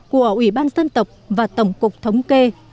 của ủy ban dân tộc và tổng cục thống kê